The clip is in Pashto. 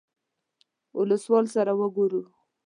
اولسوال سره وګورو.